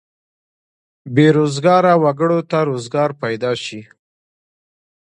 بې روزګاره وګړو ته روزګار پیدا شي.